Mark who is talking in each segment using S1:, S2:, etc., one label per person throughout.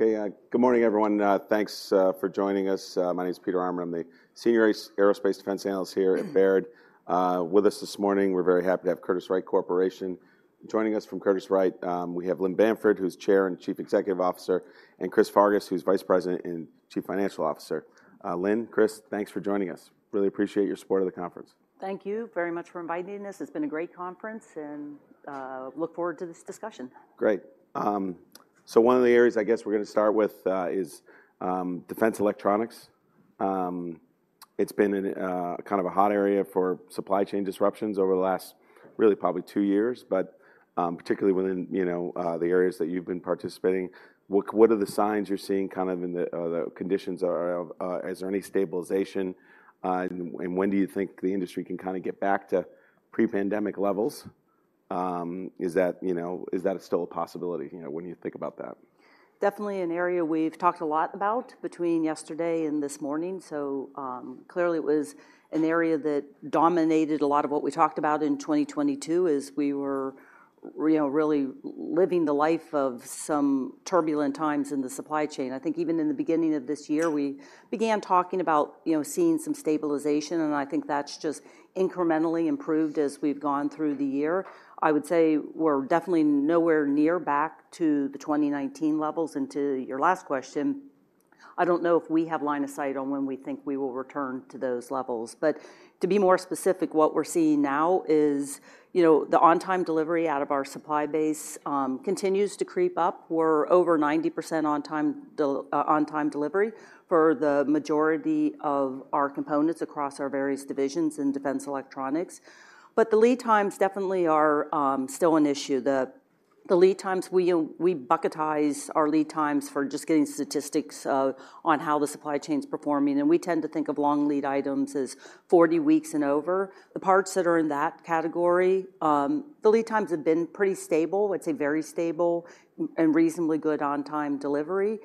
S1: Okay, good morning, everyone. Thanks for joining us. My name is Peter Arment. I'm the Senior Aerospace Defense Analyst here at Baird. With us this morning, we're very happy to have Curtiss-Wright Corporation. Joining us from Curtiss-Wright, we have Lynn Bamford, who's Chair and Chief Executive Officer, and Chris Farkas, who's Vice President and Chief Financial Officer. Lynn, Chris, thanks for joining us. Really appreciate your support of the conference.
S2: Thank you very much for inviting us. It's been a great conference, and look forward to this discussion.
S1: Great. So one of the areas I guess we're gonna start with is Defense Electronics. It's been in kind of a hot area for supply chain disruptions over the last, really, probably 2 years, but particularly within, you know, the areas that you've been participating. What, what are the signs you're seeing kind of in the, the conditions are... Is there any stabilization? And when do you think the industry can kinda get back to pre-pandemic levels? Is that, you know, is that still a possibility? You know, what do you think about that?
S2: Definitely an area we've talked a lot about between yesterday and this morning. So, clearly, it was an area that dominated a lot of what we talked about in 2022, as we were, you know, really living the life of some turbulent times in the supply chain. I think even in the beginning of this year, we began talking about, you know, seeing some stabilization, and I think that's just incrementally improved as we've gone through the year. I would say we're definitely nowhere near back to the 2019 levels. And to your last question, I don't know if we have line of sight on when we think we will return to those levels. But to be more specific, what we're seeing now is, you know, the on-time delivery out of our supply base, continues to creep up. We're over 90% on-time delivery for the majority of our components across our various divisions in Defense Electronics. But the lead times definitely are still an issue. We bucketize our lead times for just getting statistics on how the supply chain's performing, and we tend to think of long lead items as 40 weeks and over. The parts that are in that category, the lead times have been pretty stable. I'd say very stable and reasonably good on-time delivery. You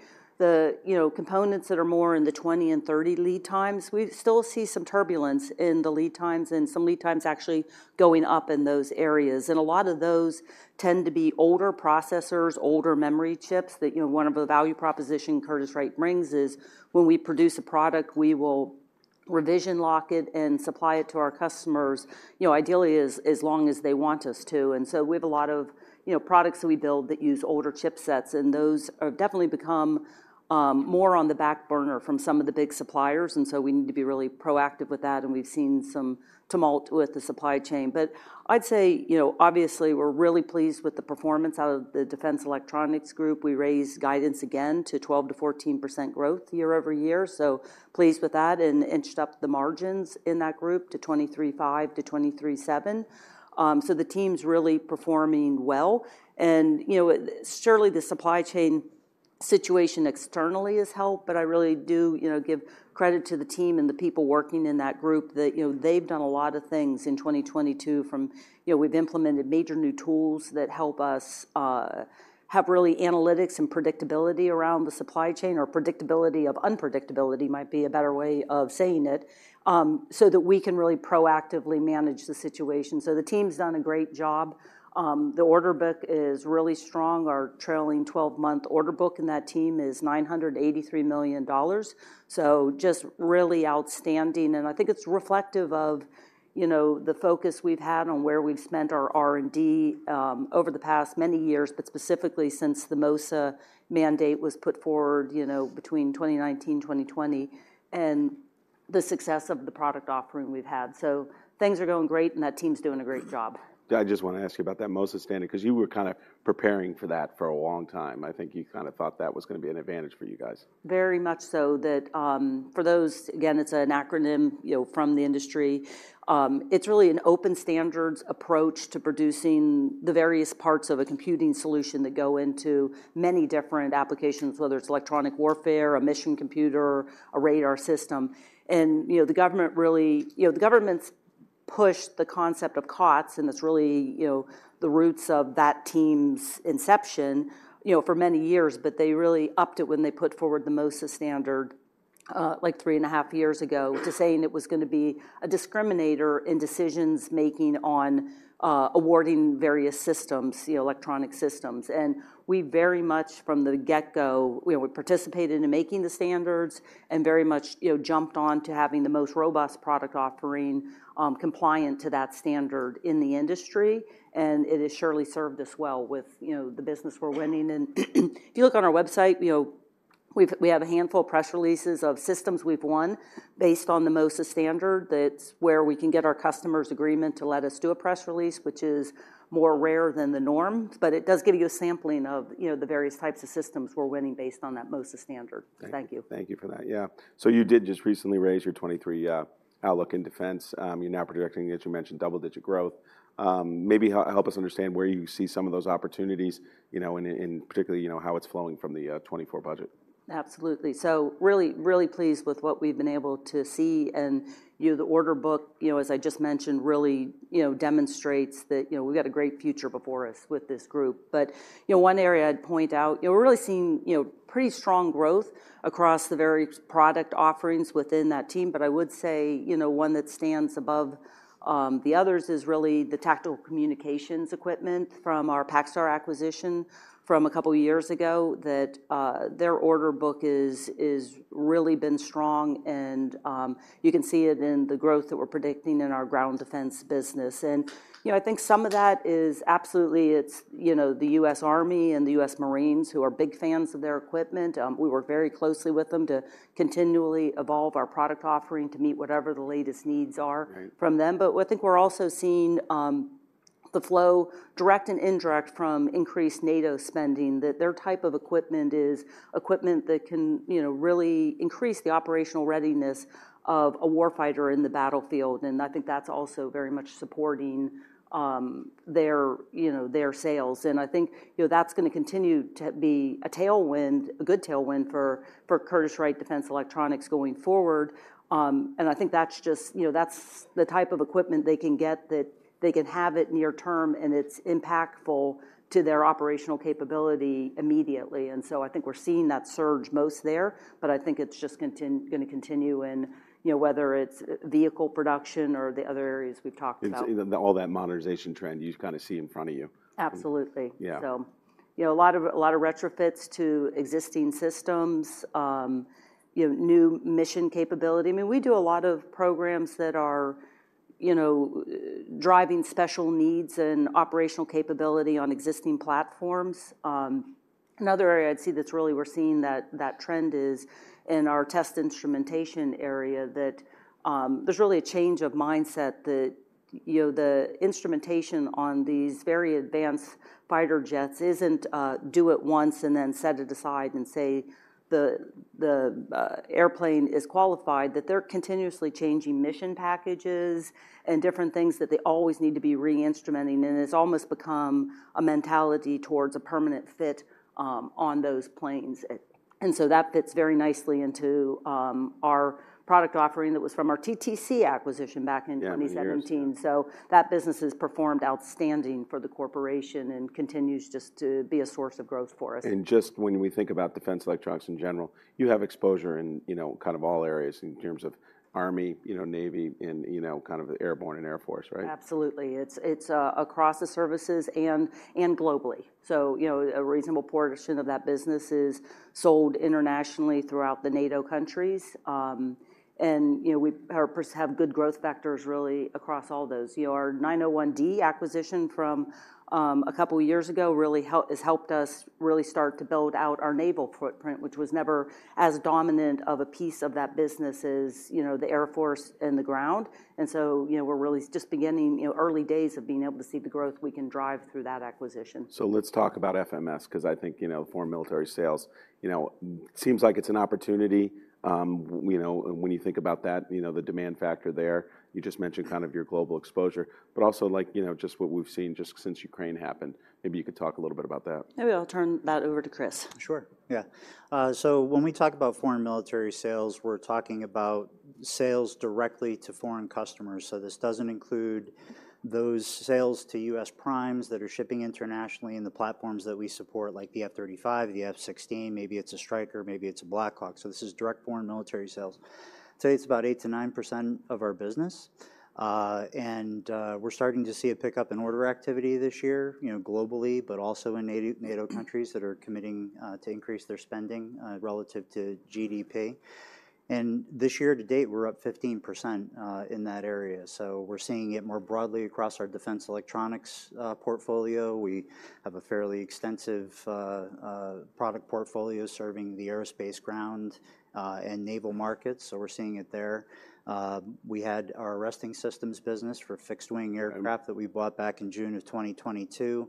S2: know, the components that are more in the 20 and 30 lead times, we still see some turbulence in the lead times and some lead times actually going up in those areas. A lot of those tend to be older processors, older memory chips, that, you know, one of the value proposition Curtiss-Wright brings is when we produce a product, we will revision lock it and supply it to our customers, you know, ideally, as long as they want us to. And so we have a lot of, you know, products that we build that use older chipsets, and those have definitely become more on the back burner from some of the big suppliers, and so we need to be really proactive with that, and we've seen some tumult with the supply chain. But I'd say, you know, obviously, we're really pleased with the performance out of the Defense Electronics group. We raised guidance again to 12%-14% growth year-over-year, so pleased with that, and inched up the margins in that group to 23.5%-23.7%. So the team's really performing well. You know, surely, the supply chain situation externally has helped, but I really do, you know, give credit to the team and the people working in that group that, you know, they've done a lot of things in 2022 from. You know, we've implemented major new tools that help us have really analytics and predictability around the supply chain, or predictability of unpredictability might be a better way of saying it, so that we can really proactively manage the situation. So the team's done a great job. The order book is really strong. Our trailing twelve-month order book in that team is $983 million, so just really outstanding. I think it's reflective of, you know, the focus we've had on where we've spent our R&D over the past many years, but specifically since the MOSA mandate was put forward, you know, between 2019, 2020, and the success of the product offering we've had. Things are going great, and that team's doing a great job.
S1: I just want to ask you about that MOSA standard, 'cause you were kind of preparing for that for a long time. I think you kind of thought that was gonna be an advantage for you guys.
S2: Very much so. That, for those, again, it's an acronym, you know, from the industry. It's really an open standards approach to producing the various parts of a computing solution that go into many different applications, whether it's electronic warfare, a mission computer, a radar system. And, you know, the government really, you know, the government's pushed the concept of COTS, and it's really, you know, the roots of that team's inception, you know, for many years. But they really upped it when they put forward the MOSA standard, like three and a half years ago, to saying it was gonna be a discriminator in decisions making on, awarding various systems, you know, electronic systems. We very much, from the get-go, you know, we participated in making the standards and very much, you know, jumped on to having the most robust product offering compliant to that standard in the industry, and it has surely served us well with, you know, the business we're winning. If you look on our website, you know, we have a handful of press releases of systems we've won based on the MOSA standard. That's where we can get our customer's agreement to let us do a press release, which is more rare than the norm, but it does give you a sampling of, you know, the various types of systems we're winning based on that MOSA standard. So thank you.
S1: Thank you for that. Yeah. So you did just recently raise your 2023 outlook in defense. You're now projecting, as you mentioned, double-digit growth. Maybe help us understand where you see some of those opportunities, you know, and, and particularly, you know, how it's flowing from the 2024 budget.
S2: Absolutely. So really, really pleased with what we've been able to see. And, you know, the order book, you know, as I just mentioned, really, you know, demonstrates that, you know, we've got a great future before us with this group. But, you know, one area I'd point out, we're really seeing, you know, pretty strong growth across the various product offerings within that team. But I would say, you know, one that stands above the others is really the tactical communications equipment from our PacStar acquisition from a couple of years ago, that their order book is really been strong, and you can see it in the growth that we're predicting in our ground defense business. And, you know, I think some of that is absolutely it's, you know, the U.S. Army and the U.S. Marines, who are big fans of their equipment. We work very closely with them to continually evolve our product offering to meet whatever the latest needs are-
S1: Right
S2: from them. But I think we're also seeing the flow, direct and indirect from increased NATO spending, that their type of equipment is equipment that can, you know, really increase the operational readiness of a warfighter in the battlefield. And I think that's also very much supporting their, you know, their sales. And I think, you know, that's gonna continue to be a tailwind, a good tailwind for, for Curtiss-Wright Defense Electronics going forward. And I think that's just, you know, that's the type of equipment they can get that they can have it near term, and it's impactful to their operational capability immediately. And so I think we're seeing that surge most there, but I think it's just gonna continue, and, you know, whether it's vehicle production or the other areas we've talked about.
S1: It's either all that modernization trend you kind of see in front of you.
S2: Absolutely.
S1: Yeah.
S2: So, you know, a lot of, a lot of retrofits to existing systems, you know, new mission capability. I mean, we do a lot of programs that are, you know, driving special needs and operational capability on existing platforms. Another area I'd see that's really we're seeing that, that trend is in our test instrumentation area, that, there's really a change of mindset that, you know, the instrumentation on these very advanced fighter jets isn't, do it once and then set it aside and say, the, the, airplane is qualified. That they're continuously changing mission packages and different things that they always need to be re-instrumenting, and it's almost become a mentality towards a permanent fit, on those planes. And so that fits very nicely into, our product offering that was from our TTC acquisition back in-
S1: Yeah
S2: 2017. So that business has performed outstanding for the corporation and continues just to be a source of growth for us.
S1: Just when we think about defense electronics in general, you have exposure in, you know, kind of all areas in terms of Army, you know, Navy, and, you know, kind of airborne and Air Force, right?
S2: Absolutely. It's across the services and globally. So, you know, a reasonable portion of that business is sold internationally throughout the NATO countries. And, you know, we have good growth factors really across all those. You know, our 901D acquisition from a couple of years ago really has helped us really start to build out our naval footprint, which was never as dominant of a piece of that business as, you know, the Air Force and the ground. And so, you know, we're really just beginning, you know, early days of being able to see the growth we can drive through that acquisition.
S1: So let's talk about FMS, 'cause I think, you know, foreign military sales, you know, seems like it's an opportunity. You know, and when you think about that, you know, the demand factor there, you just mentioned kind of your global exposure, but also like, you know, just what we've seen just since Ukraine happened. Maybe you could talk a little bit about that.
S2: Maybe I'll turn that over to Chris.
S3: Sure, yeah. So when we talk about foreign military sales, we're talking about sales directly to foreign customers. So this doesn't include those sales to U.S. primes that are shipping internationally and the platforms that we support, like the F-35, the F-16, maybe it's a Stryker, maybe it's a Black Hawk. So this is direct foreign military sales. Today, it's about 8%-9% of our business. And we're starting to see a pickup in order activity this year, you know, globally, but also in NATO countries that are committing to increase their spending relative to GDP. And this year, to date, we're up 15% in that area. So we're seeing it more broadly across our defense electronics portfolio. We have a fairly extensive product portfolio serving the aerospace, ground, and naval markets, so we're seeing it there. We had our arresting systems business for fixed-wing aircraft-
S1: Mm-hmm
S3: that we bought back in June of 2022.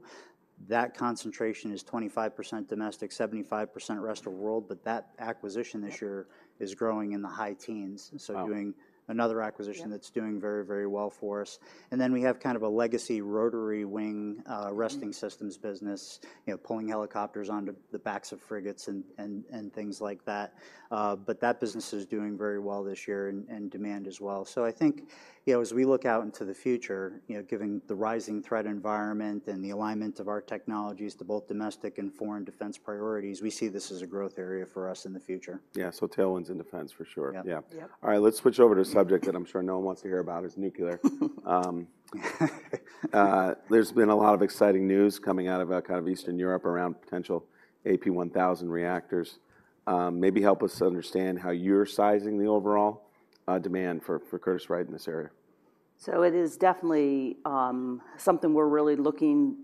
S3: That concentration is 25 domestic, 75% rest of the world, but that acquisition this year is growing in the high teens.
S1: Wow!
S3: So doing another acquisition-
S2: Yeah
S3: that's doing very, very well for us. And then we have kind of a legacy rotary wing.
S2: Mm-hmm
S3: arresting systems business, you know, pulling helicopters onto the backs of frigates and things like that. But that business is doing very well this year in demand as well. So I think, you know, as we look out into the future, you know, given the rising threat environment and the alignment of our technologies to both domestic and foreign defense priorities, we see this as a growth area for us in the future.
S1: Yeah, so tailwinds in defense for sure.
S3: Yeah.
S1: Yeah.
S2: Yeah.
S1: All right, let's switch over to a subject that I'm sure no one wants to hear about, is nuclear. There's been a lot of exciting news coming out of, kind of Eastern Europe around potential AP1000 reactors. Maybe help us understand how you're sizing the overall demand for Curtiss-Wright in this area.
S2: So it is definitely something we're really looking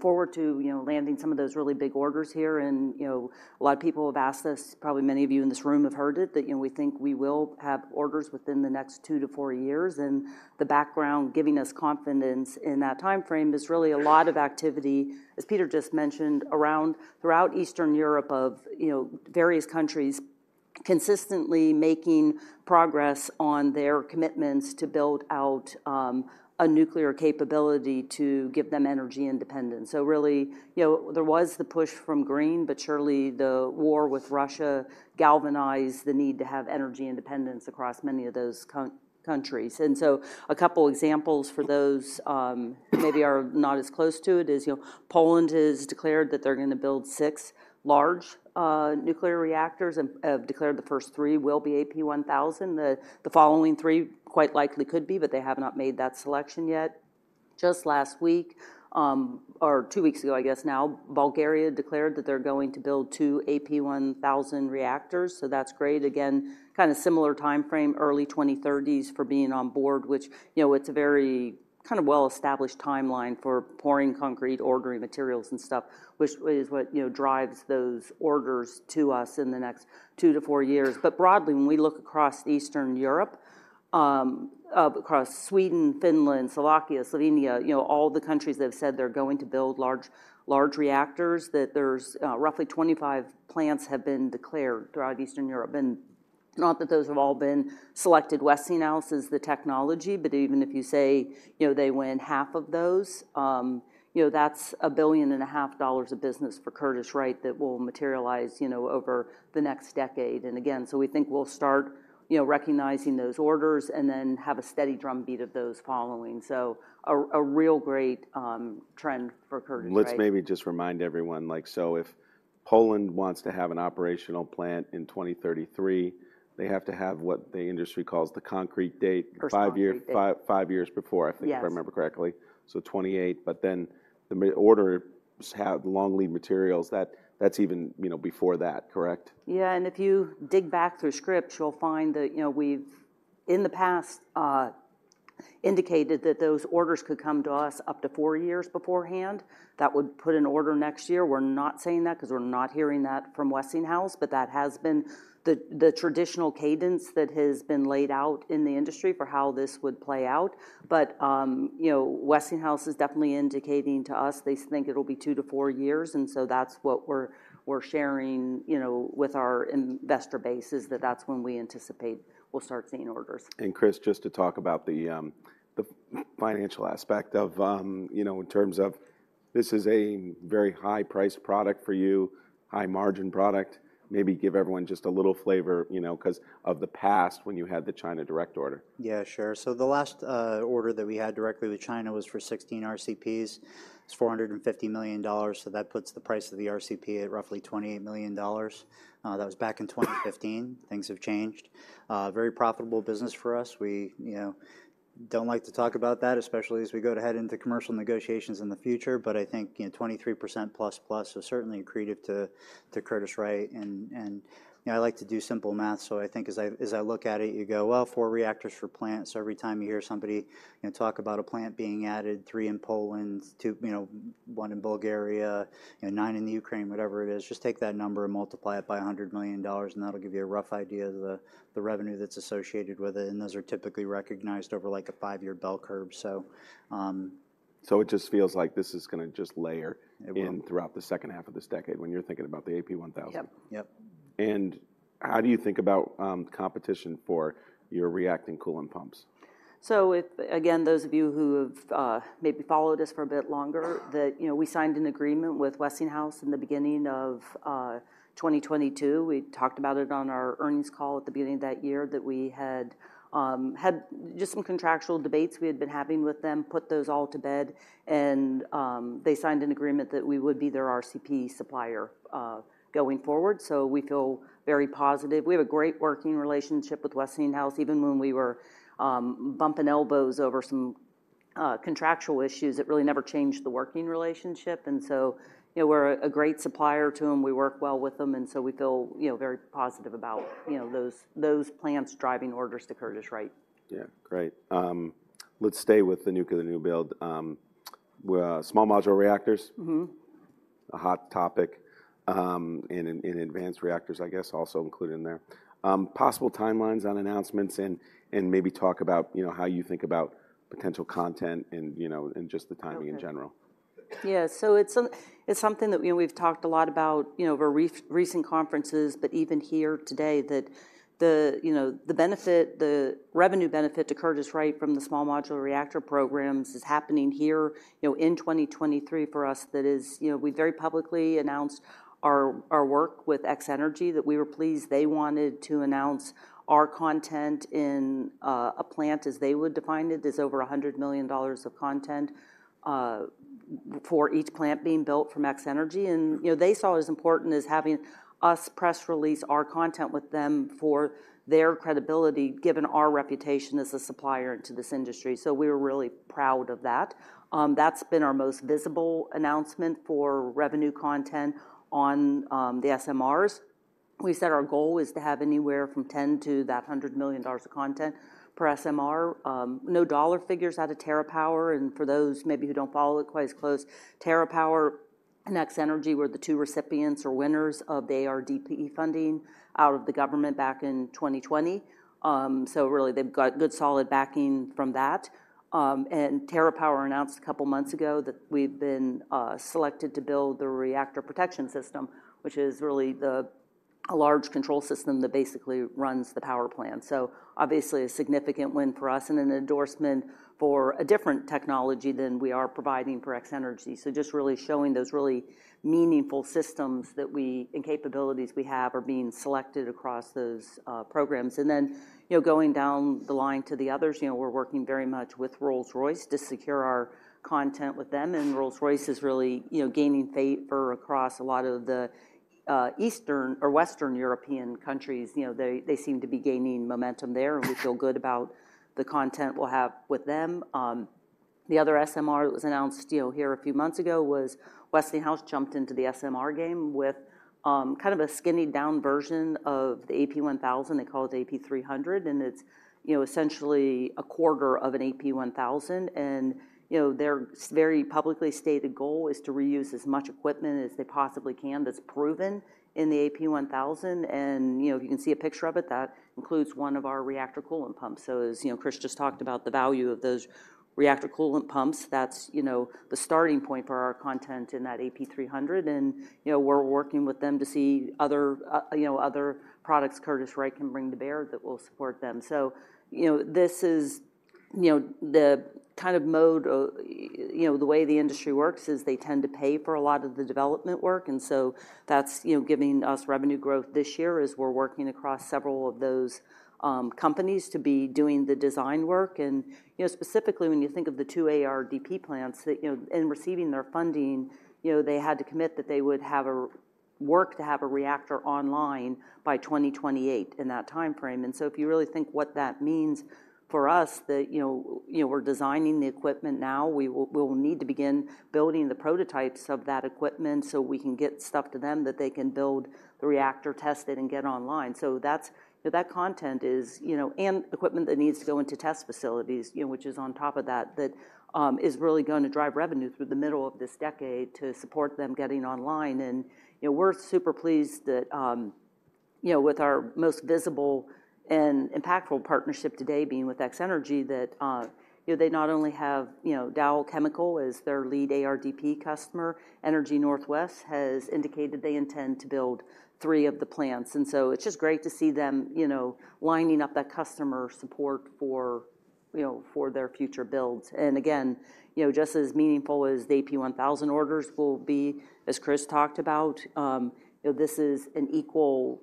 S2: forward to, you know, landing some of those really big orders here. And, you know, a lot of people have asked us, probably many of you in this room have heard it, that, you know, we think we will have orders within the next 2-4 years. And the background giving us confidence in that timeframe is really a lot of activity, as Peter just mentioned, throughout Eastern Europe, of, you know, various countries consistently making progress on their commitments to build out a nuclear capability to give them energy independence. So really, you know, there was the push from green, but surely, the war with Russia galvanized the need to have energy independence across many of those countries. A couple examples for those maybe are not as close to it is, you know, Poland has declared that they're gonna build 6 large nuclear reactors and declared the first 3 will be AP1000. The following 3 quite likely could be, but they have not made that selection yet. Just last week, or two weeks ago, I guess now, Bulgaria declared that they're going to build 2 AP1000 reactors, so that's great. Again, kind of similar timeframe, early 2030s for being on board, which, you know, it's a very kind of well-established timeline for pouring concrete, ordering materials and stuff, which is what, you know, drives those orders to us in the next 2-4 years. But broadly, when we look across Eastern Europe, across Sweden, Finland, Slovakia, Slovenia, you know, all the countries that have said they're going to build large, large reactors, that there's roughly 25 plants have been declared throughout Eastern Europe. Not that those have all been selected Westinghouse as the technology, but even if you say, you know, they win half of those, you know, that's $1.5 billion of business for Curtiss-Wright that will materialize, you know, over the next decade. And again, so we think we'll start, you know, recognizing those orders and then have a steady drumbeat of those following. So a real great trend for Curtiss-Wright.
S1: Let's maybe just remind everyone, like, so if Poland wants to have an operational plant in 2033, they have to have what the industry calls the concrete date-
S2: First concrete date.
S1: five years before, I think-
S2: Yes
S1: if I remember correctly. So 2028, but then the order has long lead materials that, that's even, you know, before that, correct?
S2: Yeah, and if you dig back through scripts, you'll find that, you know, we've, in the past, indicated that those orders could come to us up to 4 years beforehand. That would put an order next year. We're not saying that 'cause we're not hearing that from Westinghouse, but that has been the, the traditional cadence that has been laid out in the industry for how this would play out. But, you know, Westinghouse is definitely indicating to us they think it'll be 2-4 years, and so that's what we're, we're sharing, you know, with our investor base, is that that's when we anticipate we'll start seeing orders.
S1: Chris, just to talk about the financial aspect of, you know, in terms of this is a very high-priced product for you, high-margin product. Maybe give everyone just a little flavor, you know, 'cause of the past when you had the China direct order.
S3: Yeah, sure. So the last order that we had directly with China was for 16 RCPs. It's $450 million, so that puts the price of the RCP at roughly $28 million. That was back in 2015. Things have changed. Very profitable business for us. We, you know, don't like to talk about that, especially as we go to head into commercial negotiations in the future, but I think, you know, 23%+ is certainly accretive to Curtiss-Wright. And, you know, I like to do simple math, so I think as I look at it, you go, well, 4 reactors for plants. So every time you hear somebody, you know, talk about a plant being added, 3 in Poland, 2, you know, 1 in Bulgaria, you know, 9 in the Ukraine, whatever it is, just take that number and multiply it by $100 million, and that'll give you a rough idea of the revenue that's associated with it, and those are typically recognized over, like, a 5-year bell curve.
S1: So it just feels like this is gonna just layer-
S3: It will
S1: throughout the second half of this decade when you're thinking about the AP1000?
S2: Yep.
S3: Yep.
S1: How do you think about competition for your reactor coolant pumps?
S2: So if, again, those of you who have, maybe followed us for a bit longer, that, you know, we signed an agreement with Westinghouse in the beginning of, twenty twenty-two. We talked about it on our earnings call at the beginning of that year, that we had had just some contractual debates we had been having with them, put those all to bed, and, they signed an agreement that we would be their RCP supplier, going forward. So we feel very positive. We have a great working relationship with Westinghouse. Even when we were, bumping elbows over some, contractual issues, it really never changed the working relationship. And so, you know, we're a great supplier to them. We work well with them, and so we feel, you know, very positive about, you know, those plants driving orders to Curtiss-Wright.
S1: Yeah, great. Let's stay with the nuclear, the new build. Well, small modular reactors-
S2: Mm-hmm
S1: a hot topic, and advanced reactors, I guess, also included in there. Possible timelines on announcements and maybe talk about, you know, how you think about potential content and, you know, and just the timing in general.
S2: Yeah. So it's something that, you know, we've talked a lot about, you know, over recent conferences, but even here today, you know, the benefit, the revenue benefit to Curtiss-Wright from the small modular reactor programs is happening here, you know, in 2023 for us. That is, you know, we very publicly announced our work with X-energy, that we were pleased. They wanted to announce our content in a plant as they would define it. There's over $100 million of content for each plant being built from X-energy. And, you know, they saw it as important as having us press release our content with them for their credibility, given our reputation as a supplier to this industry. So we were really proud of that. That's been our most visible announcement for revenue content on the SMRs. We said our goal is to have anywhere from $10 million to $100 million of content per SMR. No dollar figures out of TerraPower, and for those maybe who don't follow it quite as close, TerraPower and X-energy were the two recipients or winners of the ARDP funding out of the government back in 2020. So really, they've got good, solid backing from that. And TerraPower announced a couple of months ago that we've been selected to build the reactor protection system, which is really a large control system that basically runs the power plant. So obviously, a significant win for us and an endorsement for a different technology than we are providing for X-energy. So just really showing those really meaningful systems that we and capabilities we have, are being selected across those programs. And then, you know, going down the line to the others, you know, we're working very much with Rolls-Royce to secure our content with them, and Rolls-Royce is really, you know, gaining favor across a lot of the Eastern or Western European countries. You know, they, they seem to be gaining momentum there, and we feel good about the content we'll have with them. The other SMR that was announced, you know, here a few months ago was Westinghouse jumped into the SMR game with kind of a scaled down version of the AP1000. They call it AP300, and it's, you know, essentially a quarter of an AP1000. And, you know, their very publicly stated goal is to reuse as much equipment as they possibly can that's proven in the AP1000. You know, you can see a picture of it. That includes one of our reactor coolant pumps. So as you know, Chris just talked about the value of those reactor coolant pumps. That's, you know, the starting point for our content in that AP300, and, you know, we're working with them to see other, you know, other products Curtiss-Wright can bring to bear that will support them. So, you know, this is, you know, the kind of mode of, you know, the way the industry works is they tend to pay for a lot of the development work, and so that's, you know, giving us revenue growth this year as we're working across several of those companies to be doing the design work. You know, specifically, when you think of the two ARDP plants that, you know, in receiving their funding, you know, they had to commit that they would have a work to have a reactor online by 2028, in that timeframe. So if you really think what that means for us, that, you know, you know, we're designing the equipment now, we will, we will need to begin building the prototypes of that equipment so we can get stuff to them that they can build the reactor, test it, and get online. So that's that content is, you know, and equipment that needs to go into test facilities, you know, which is on top of that, that, is really gonna drive revenue through the middle of this decade to support them getting online. And, you know, we're super pleased that, you know, with our most visible and impactful partnership today being with X-energy, that, you know, they not only have, you know, Dow Chemical as their lead ARDP customer, Energy Northwest has indicated they intend to build three of the plants. And so it's just great to see them, you know, lining up that customer support for, you know, for their future builds. And again, you know, just as meaningful as the AP1000 orders will be, as Chris talked about, you know, this is an equal,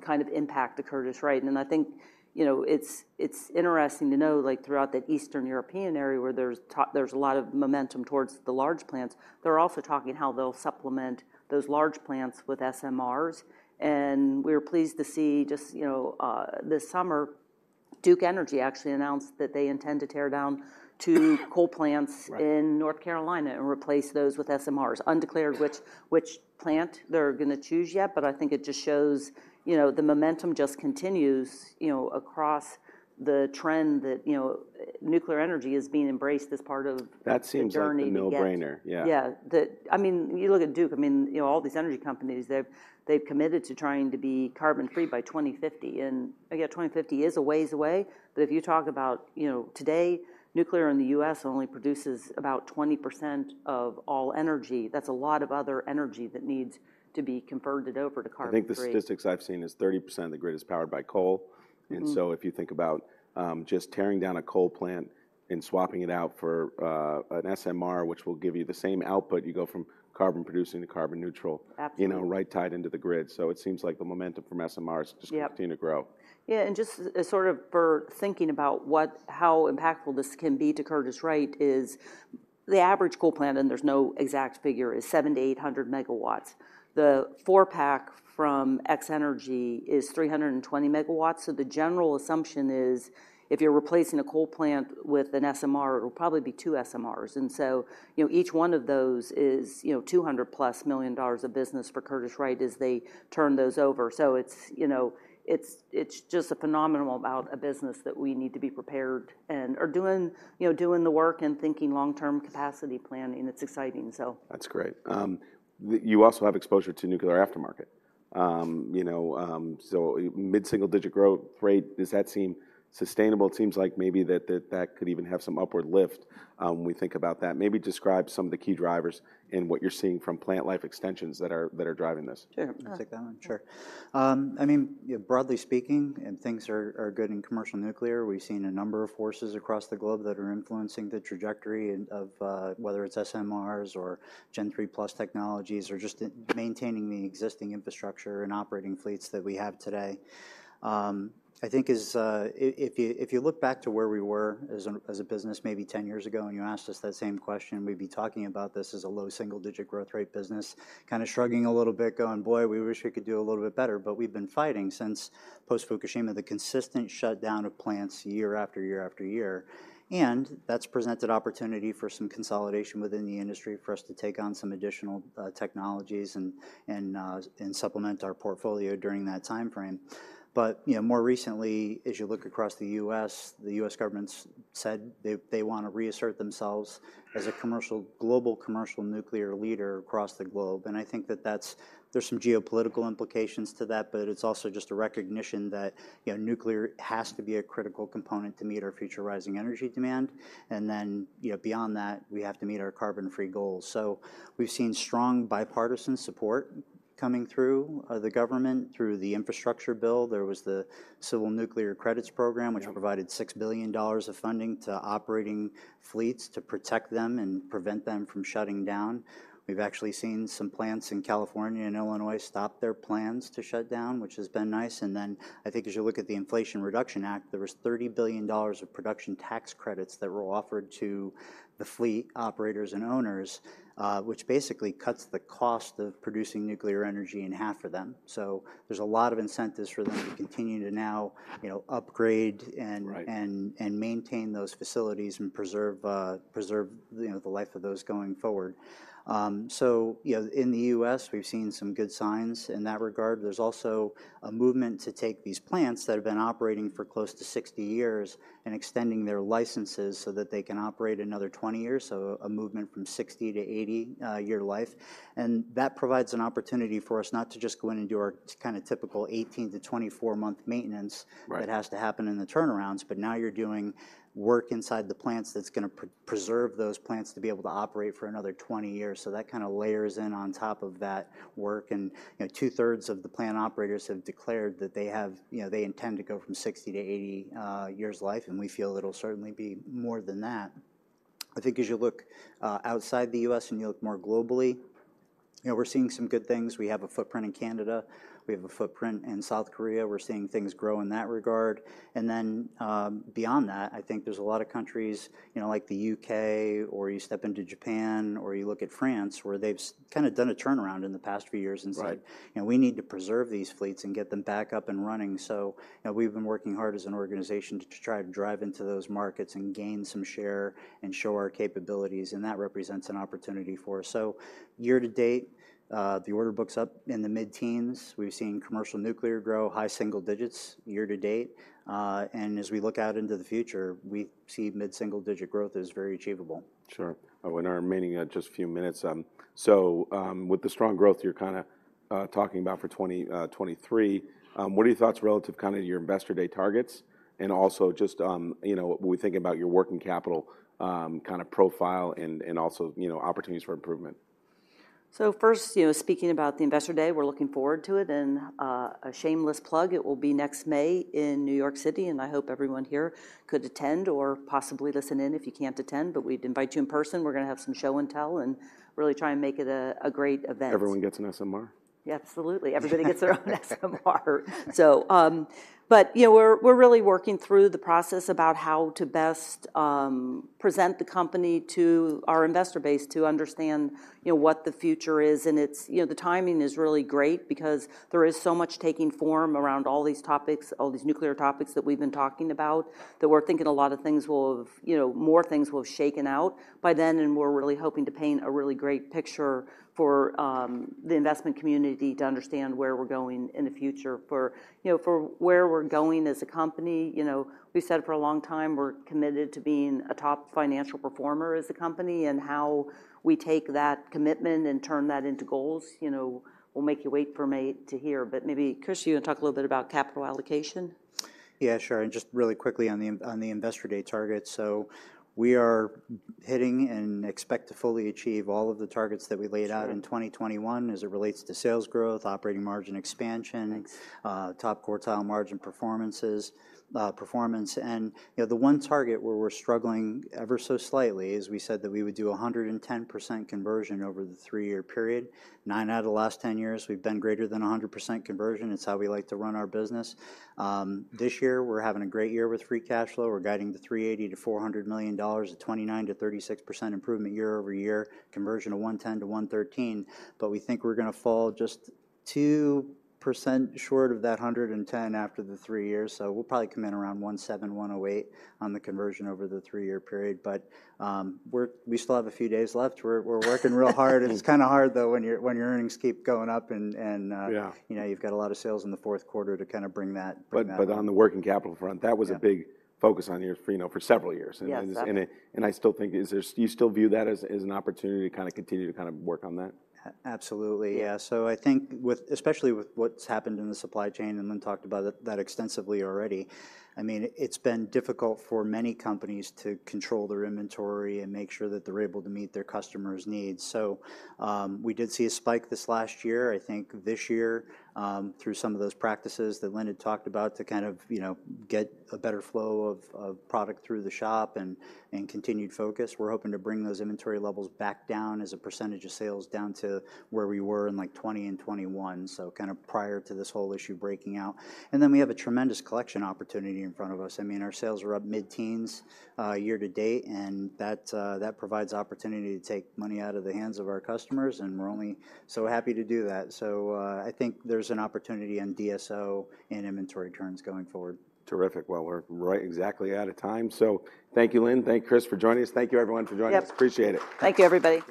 S2: kind of impact to Curtiss-Wright. And I think, you know, it's, it's interesting to know, like, throughout the Eastern European area where there's a lot of momentum towards the large plants, they're also talking how they'll supplement those large plants with SMRs. We're pleased to see just, you know, this summer, Duke Energy actually announced that they intend to tear down two coal plants.
S1: Right
S2: in North Carolina and replace those with SMRs. Undecided which plant they're gonna choose yet, but I think it just shows, you know, the momentum just continues, you know, across the trend that, you know, nuclear energy is being embraced as part of-
S1: That seems like-
S2: the journey to get
S1: a no-brainer. Yeah.
S2: Yeah. I mean, you look at Duke. I mean, you know, all these energy companies, they've committed to trying to be carbon-free by 2050. And, again, 2050 is a ways away, but if you talk about, you know, today, nuclear in the U.S. only produces about 20% of all energy. That's a lot of other energy that needs to be converted over to carbon-free.
S1: I think the statistics I've seen is 30% of the grid is powered by coal.
S2: Mm-hmm.
S1: And so if you think about just tearing down a coal plant and swapping it out for an SMR, which will give you the same output, you go from carbon producing to carbon neutral.
S2: Absolutely
S1: you know, right tied into the grid. So it seems like the momentum from SMRs-
S2: Yeah
S1: just continue to grow.
S2: Yeah, and just as sort of for thinking about what, how impactful this can be to Curtiss-Wright is the average coal plant, and there's no exact figure, is 70-800 megawatts. The four-pack from X-energy is 320 megawatts, so the general assumption is, if you're replacing a coal plant with an SMR, it'll probably be two SMRs. And so, you know, each one of those is, you know, $200+ million of business for Curtiss-Wright as they turn those over. So it's, you know, it's, it's just a phenomenal amount of business that we need to be prepared and are doing, you know, doing the work and thinking long-term capacity planning. It's exciting, so.
S1: That's great. You also have exposure to nuclear aftermarket. You know, so mid-single-digit growth rate, does that seem sustainable? It seems like maybe that could even have some upward lift, when we think about that. Maybe describe some of the key drivers in what you're seeing from plant life extensions that are driving this.
S3: Yeah.
S2: Uh-
S3: I'll take that one. Sure. I mean, yeah, broadly speaking, things are good in commercial nuclear. We've seen a number of forces across the globe that are influencing the trajectory of whether it's SMRs or Gen III+ technologies, or just maintaining the existing infrastructure and operating fleets that we have today. I think if you look back to where we were as a business maybe 10 years ago, and you asked us that same question, we'd be talking about this as a low single-digit growth rate business, kind of shrugging a little bit, going: "Boy, we wish we could do a little bit better." But we've been fighting since post-Fukushima, the consistent shutdown of plants year after year after year. And that's presented opportunity for some consolidation within the industry, for us to take on some additional technologies and supplement our portfolio during that timeframe. But, you know, more recently, as you look across the U.S., the U.S. government's said they want to reassert themselves as a commercial global commercial nuclear leader across the globe. And I think that's. There's some geopolitical implications to that, but it's also just a recognition that, you know, nuclear has to be a critical component to meet our future rising energy demand. And then, you know, beyond that, we have to meet our carbon-free goals. So we've seen strong bipartisan support coming through the government, through the infrastructure bill. There was the Civil Nuclear Credits Program
S1: Yeah
S3: which provided $6 billion of funding to operating fleets to protect them and prevent them from shutting down. We've actually seen some plants in California and Illinois stop their plans to shut down, which has been nice. And then, I think as you look at the Inflation Reduction Act, there was $30 billion of production tax credits that were offered to the fleet operators and owners, which basically cuts the cost of producing nuclear energy in half for them. So there's a lot of incentives for them to continue to now, you know, upgrade and-
S1: Right
S3: and maintain those facilities and preserve, preserve, you know, the life of those going forward. So, you know, in the US, we've seen some good signs in that regard. There's also a movement to take these plants that have been operating for close to 60 years and extending their licenses so that they can operate another 20 years, so a movement from 60 to 80 year life. And that provides an opportunity for us not to just go in and do our kind of typical 18-24-month maintenance-
S1: Right
S3: that has to happen in the turnarounds, but now you're doing work inside the plants that's gonna pre- preserve those plants to be able to operate for another 20 years. So that kind of layers in on top of that work. And, you know, two-thirds of the plant operators have declared that they have-- you know, they intend to go from 60 to 80 years' life, and we feel it'll certainly be more than that.... I think as you look outside the U.S. and you look more globally, you know, we're seeing some good things. We have a footprint in Canada, we have a footprint in South Korea. We're seeing things grow in that regard. And then, beyond that, I think there's a lot of countries, you know, like the UK, or you step into Japan, or you look at France, where they've kind of done a turnaround in the past few years.
S1: Right
S3: and said, "You know, we need to preserve these fleets and get them back up and running." So, you know, we've been working hard as an organization to try to drive into those markets and gain some share and show our capabilities, and that represents an opportunity for us. So year to date, the order book's up in the mid-teens. We've seen commercial nuclear grow high single digits year to date. And as we look out into the future, we see mid-single digit growth as very achievable.
S1: Sure. Oh, in our remaining, just a few minutes, so, with the strong growth you're kinda talking about for 2023, what are your thoughts relative kind of to your Investor Day targets? And also just, you know, when we think about your working capital, kind of profile and, and also, you know, opportunities for improvement.
S2: So first, you know, speaking about the Investor Day, we're looking forward to it. And, a shameless plug, it will be next May in New York City, and I hope everyone here could attend or possibly listen in if you can't attend, but we'd invite you in person. We're gonna have some show and tell, and really try and make it a great event.
S1: Everyone gets an SMR?
S2: Yeah, absolutely. Everybody gets their own SMR. So, but, you know, we're really working through the process about how to best present the company to our investor base to understand, you know, what the future is. And it's, you know, the timing is really great because there is so much taking form around all these topics, all these nuclear topics that we've been talking about, that we're thinking a lot of things will have... You know, more things will have shaken out by then, and we're really hoping to paint a really great picture for the investment community to understand where we're going in the future. For, you know, for where we're going as a company, you know, we've said it for a long time. We're committed to being a top financial performer as a company, and how we take that commitment and turn that into goals, you know, we'll make you wait for May to hear. But maybe, Chris, you wanna talk a little bit about capital allocation?
S3: Yeah, sure, and just really quickly on the Investor Day targets. So we are hitting and expect to fully achieve all of the targets that we laid out-
S1: Sure...
S3: in 2021 as it relates to sales growth, operating margin expansion-
S1: Nice
S3: top quartile margin performances, performance. You know, the one target where we're struggling ever so slightly is we said that we would do 110% conversion over the three-year period. Nine out of the last 10 years, we've done greater than 100% conversion. It's how we like to run our business. This year, we're having a great year with free cash flow. We're guiding $300 million-$400 million, a 29%-36% improvement year-over-year, conversion of 110%-113%. But we think we're gonna fall just 2% short of that 110% after the three years, so we'll probably come in around 107%, 108% on the conversion over the three-year period. But, we still have a few days left. We're working real hard. It's kinda hard, though, when your earnings keep going up and
S1: Yeah
S3: you know, you've got a lot of sales in the fourth quarter to kind of bring that, bring that up.
S1: But on the working capital front-
S3: Yeah
S1: that was a big focus on you for, you know, for several years.
S2: Yes.
S1: I still think, do you still view that as an opportunity to kind of continue to kind of work on that?
S3: Absolutely, yeah. So I think with, especially with what's happened in the supply chain, and Lynn talked about that extensively already, I mean, it's been difficult for many companies to control their inventory and make sure that they're able to meet their customers' needs. So, we did see a spike this last year. I think this year, through some of those practices that Lynn had talked about to kind of, you know, get a better flow of product through the shop and continued focus, we're hoping to bring those inventory levels back down as a percentage of sales, down to where we were in, like, 2020 and 2021, so kind of prior to this whole issue breaking out. And then we have a tremendous collection opportunity in front of us. I mean, our sales are up mid-teens, year to date, and that, that provides opportunity to take money out of the hands of our customers, and we're only so happy to do that. So, I think there's an opportunity in DSO and inventory turns going forward.
S1: Terrific. Well, we're right exactly out of time. So thank you, Lynn, thank you, Chris, for joining us. Thank you, everyone, for joining us.
S2: Yep.
S1: Appreciate it.
S2: Thank you, everybody.